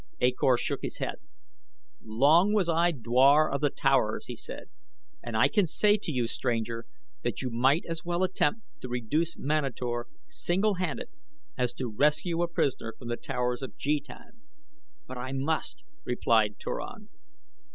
A Kor shook his head. "Long was I dwar of the Towers," he said, "and I can say to you, stranger, that you might as well attempt to reduce Manator, single handed, as to rescue a prisoner from The Towers of Jetan." "But I must," replied Turan.